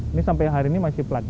ini sampai hari ini masih plat